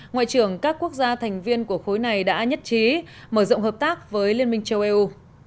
ngoại trưởng các quốc gia thành viên của khối này đã nhất trí mở rộng hợp tác với liên minh châu âu